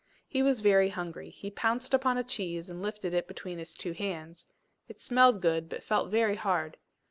He was very hungry. He pounced upon a cheese and lifted it between his two hands; it smelled good, but felt very hard.